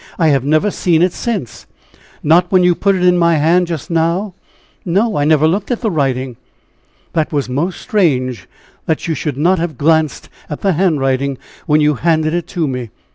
I have never seen it since." "Not when you put it in my hand, just now?" "No, I never looked at the writing?" "That was most strange that you should not have glanced at the handwriting when you handed it to me.